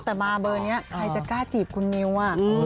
แต่มาเบอร์นี้ใครจะกล้าจีบคุณนิว